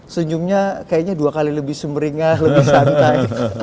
senyumnya kayaknya dua kali lebih sumringah lebih santai